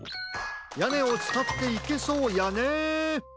やねをつたっていけそうやね。